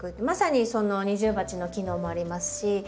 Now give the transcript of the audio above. まさにその二重鉢の機能もありますし。